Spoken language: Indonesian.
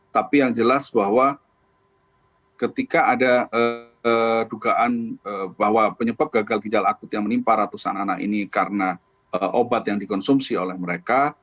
tapi yang jelas bahwa ketika ada dugaan bahwa penyebab gagal ginjal akut yang menimpa ratusan anak ini karena obat yang dikonsumsi oleh mereka